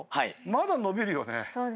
まだ伸びるよね。